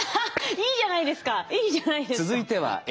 いいじゃないですか。